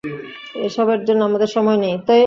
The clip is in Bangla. এ সবের জন্য আমাদের সময় নেই।